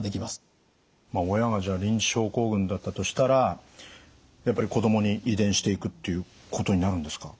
親がリンチ症候群だったとしたらやっぱり子供に遺伝していくっていうことになるんですか？